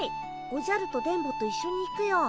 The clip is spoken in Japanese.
おじゃると電ボと一緒に行くよ。